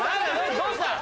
どうした？